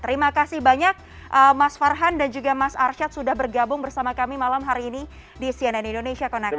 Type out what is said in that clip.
terima kasih banyak mas farhan dan juga mas arsyad sudah bergabung bersama kami malam hari ini di cnn indonesia connected